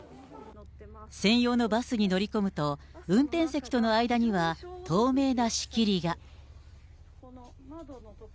専用のバスに乗り込むと、運転席との間には透明な仕切りが。